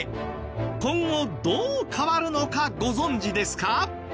今後どう変わるのかご存じですか？